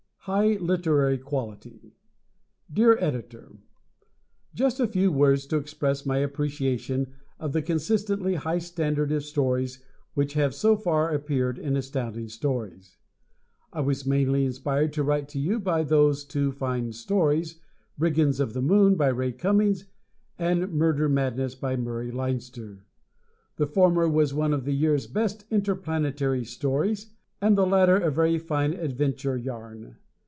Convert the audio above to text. "High Literary Quality" Dear Editor: Just a few words to express my appreciation of the consistently high standard of stories which have so far appeared in Astounding Stories. I was mainly inspired to write to you by those two fine stories, "Brigands of the Moon," by Ray Cummings and "Murder Madness," by Murray Leinster. The former was one of the year's best interplanetary stories, and the latter a very fine adventure yarn.